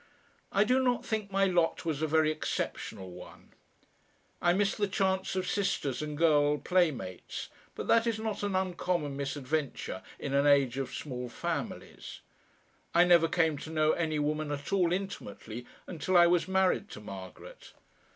I do not think my lot was a very exceptional one. I missed the chance of sisters and girl playmates, but that is not an uncommon misadventure in an age of small families; I never came to know any woman at all intimately until I was married to Margaret.